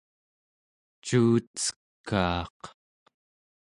cuucekaaq